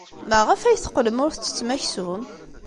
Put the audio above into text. Maɣef ay teqqlem ur tettettem aksum?